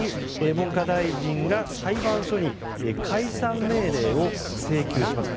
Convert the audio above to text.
文科大臣が裁判所に解散命令を請求します。